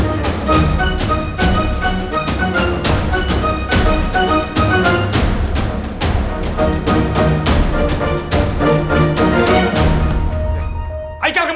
umar lakan aplikasi